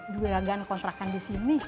dua agan kontrakan di sini